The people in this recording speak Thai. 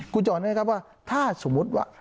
กูจะอ่อนไงครับว่าถ้าสมมติว่า